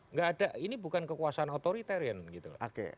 nggak ada ini bukan kekuasaan otoritarian gitu loh